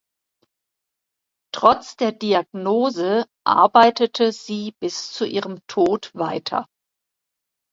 Trotz der Diagnose arbeitete sie bis zu ihrem Tod weiter.